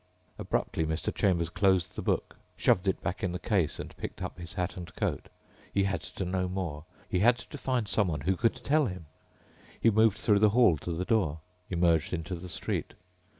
_ Abruptly Mr. Chambers closed the book, shoved it back in the case and picked up his hat and coat. He had to know more. He had to find someone who could tell him. He moved through the hall to the door, emerged into the street.